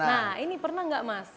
nah ini pernah nggak mas